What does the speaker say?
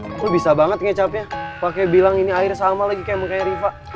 aku bisa banget ngecapnya pakai bilang ini air sama lagi kayak riva